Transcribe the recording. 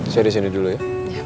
saya disini dulu ya